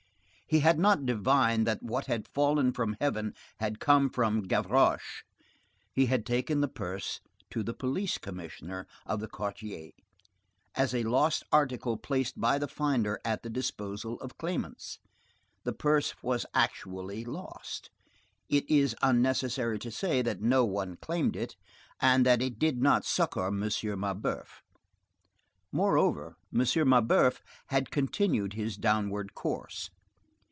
He had not divined that what had fallen from heaven had come from Gavroche. He had taken the purse to the police commissioner of the quarter, as a lost article placed by the finder at the disposal of claimants. The purse was actually lost. It is unnecessary to say that no one claimed it, and that it did not succor M. Mabeuf. Moreover, M. Mabeuf had continued his downward course.